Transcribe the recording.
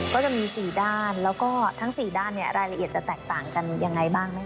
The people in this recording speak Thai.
ก็จะมี๔ด้านแล้วก็ทั้ง๔ด้านรายละเอียดจะแตกต่างกันยังไงบ้างนะคะ